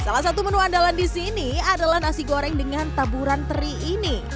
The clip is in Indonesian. salah satu menu andalan di sini adalah nasi goreng dengan taburan teri ini